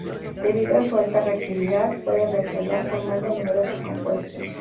Debido a su alta reactividad puede reaccionar formando numerosos compuestos.